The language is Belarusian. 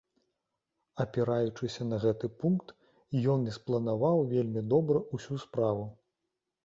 Апіраючыся на гэты пункт, ён і спланаваў вельмі добра ўсю справу.